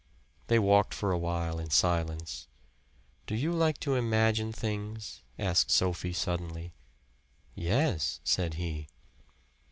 They walked for a while in silence. "Do you like to imagine things?" asked Sophie suddenly. "Yes," said he.